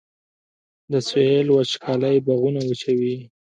د سویل وچکالي باغونه وچوي